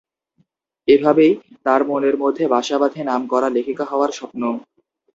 এভাবেই তার মনের মধ্যে বাসা বাঁধে নামকরা লেখিকা হওয়ার স্বপ্ন।